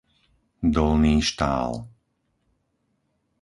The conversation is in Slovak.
Dolný Štál